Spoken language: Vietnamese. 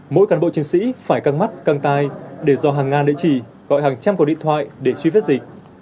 mỗi cán bộ chiến sĩ phải căng mắt căng tay để do hàng ngàn địa chỉ gọi hàng trăm cuộc điện thoại để truy vết dịch